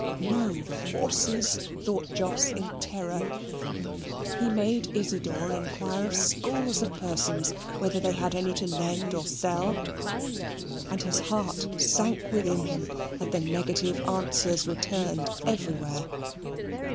No horses! thought Jos, in terror. He made Isidor inquire of scores of persons, whether they had any to lend or sell, and his heart sank within him, at the negative answers returned everywhere.